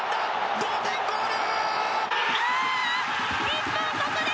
同点ゴール！